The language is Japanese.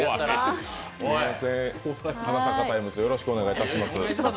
「花咲かタイムズ」、よろしくお願いいたします。